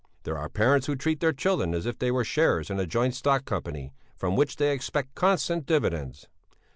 There are parents who treat their children as if they were shares in a joint stock company, from which they expect constant dividends.